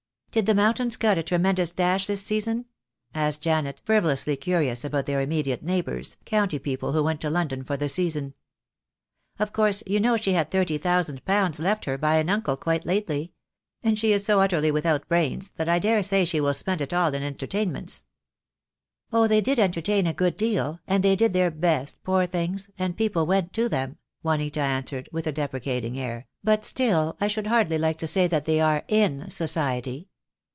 "Did the Mountains cut a tremendous dash this season?" asked Janet, frivolously curious about their im mediate neighbours, county people who went to London for the season. "Of course you know she had thirty thousand pounds left her by an uncle quite lately. And she is so utterly without brains that I daresay she will spend it all in entertainments." 68 THE DAY WILL COME. "Oh, they did entertain a good deal, and they did their best, poor things, and people went to them," Juanita answered, with a deprecating air; "but still I should hardly like to say that they are in society.